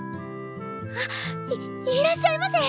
あっいいらっしゃいませ！